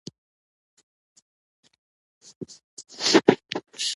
د افغانستان جغرافیه کې آب وهوا ستر اهمیت لري.